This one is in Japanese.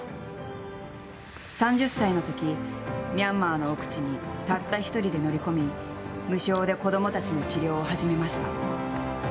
３０歳の時ミャンマーの奥地にたった１人で乗り込み、無償で子どもたちの治療を始めました。